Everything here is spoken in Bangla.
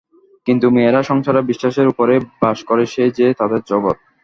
কিন্তু মেয়েরা সংসারে বিশ্বাসের উপরেই বাস করে, সেই যে তাদের জগৎ।